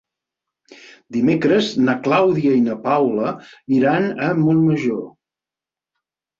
Dimecres na Clàudia i na Paula iran a Montmajor.